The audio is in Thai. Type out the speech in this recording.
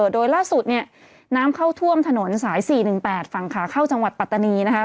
โดยล่าสุดเนี่ยน้ำเข้าท่วมถนนสาย๔๑๘ฝั่งขาเข้าจังหวัดปัตตานีนะคะ